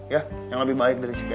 ya yang lebih baik dari si kemot